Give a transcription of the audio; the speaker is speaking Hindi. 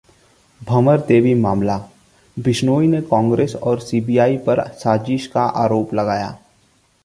भंवरी देवी मामला: बिश्नोई ने कांग्रेस और सीबीआई पर साजिश का आरोप लगाया